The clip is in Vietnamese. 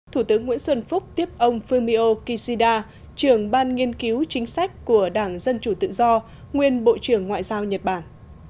thủ tướng nguyễn xuân phúc tiếp ông fumio kishida trưởng ban nghiên cứu chính sách của đảng dân chủ tự do nguyên bộ trưởng ngoại giao nhật bản